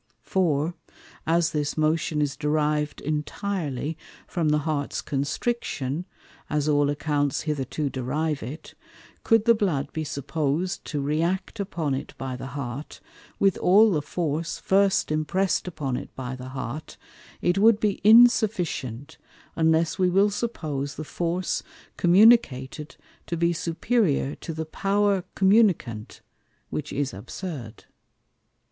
For, as this Motion is deriv'd intirely from the Heart's Constriction (as all Accounts hitherto derive it) cou'd the Blood be suppos'd to re act upon it by the Heart, with all the force first impress'd upon it by the Heart, it would be insufficient, unless we will suppose the Force communicated to be superiour to the Power Communicant, which is absurd.